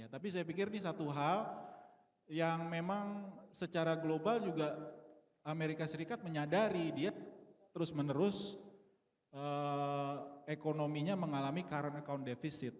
tapi saya pikir ini satu hal yang memang secara global juga amerika serikat menyadari dia terus menerus ekonominya mengalami current account deficit